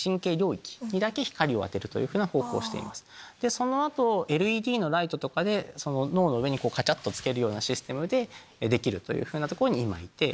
その後ＬＥＤのライトとかで脳の上にカチャっとつけるようなシステムでできるとこに今。